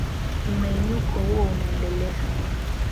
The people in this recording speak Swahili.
Mmenyuko huo unaendelea.